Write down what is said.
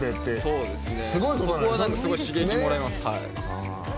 そう、そこがすごい刺激をもらえます。